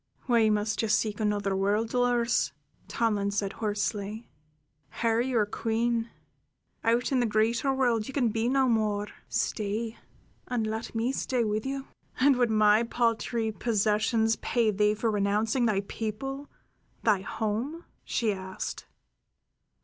"Why must you seek another world, Dolores?" Tomlin said hoarsely. "Here you are queen. Out in the greater world you can be no more. Stay, and let me stay with you." "And would my paltry possessions pay thee for renouncing thy people, thy home?" she asked.